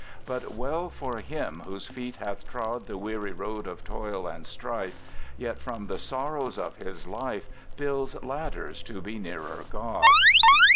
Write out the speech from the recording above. But well for him whose feet hath trod The weary road of toil and strife, Yet from the sorrows of his life Builds ladders to be nearer God.